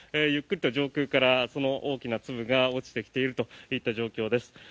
ゆっくりと上空から大きな粒が落ちてきているといった状況です。